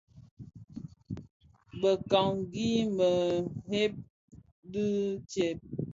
Bekangi bëdhen dhi tsè?